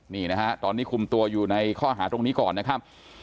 นี่นะฮะตอนนี้คุมตัวอยู่ในข้อหาตรงนี้ก่อนนะครับ